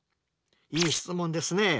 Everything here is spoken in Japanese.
いい質問ですね。